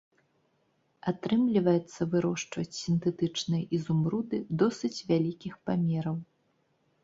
Атрымліваецца вырошчваць сінтэтычныя ізумруды досыць вялікіх памераў.